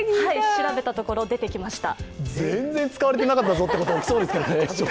調べたところ、出てきました。